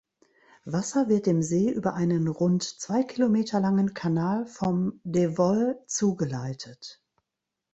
Wasser wird dem See über einen Rund zwei Kilometer langen Kanal vom Devoll zugeleitet.